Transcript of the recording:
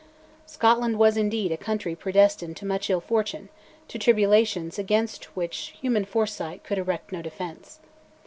Scotland was, indeed, a country predestined to much ill fortune, to tribulations against which human foresight could erect no defence.